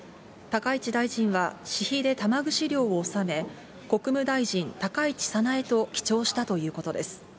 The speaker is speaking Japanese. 高市大臣は、私費で玉串料を納め、国務大臣高市早苗と記帳したということです。